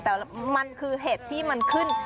แต่มันคือเห็ดที่มันขึ้น